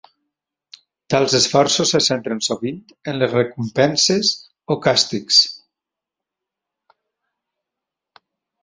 Tals esforços se centren sovint en les recompenses o càstigs.